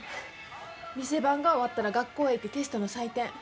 店番が終わったら学校へ行ってテストの採点。